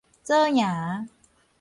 左營